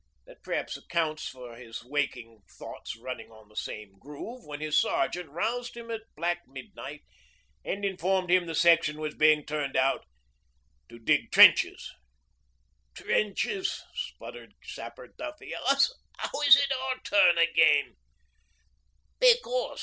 That perhaps accounts for his waking thoughts running on the same groove when his sergeant roused him at black midnight and informed him the section was being turned out to dig trenches. 'Trenches,' spluttered Sapper Duffy, '... us? How is it our turn again?'